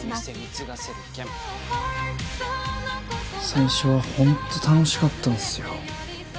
最初はほんと楽しかったんすよ。